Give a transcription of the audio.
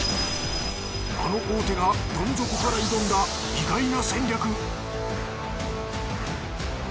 あの大手がどん底から挑んだ意外な戦略